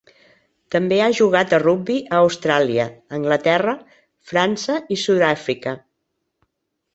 També ha jugat a rugbi a Austràlia, Anglaterra, França i Sud-àfrica.